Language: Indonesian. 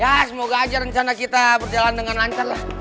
ya semoga aja rencana kita berjalan dengan lancar lah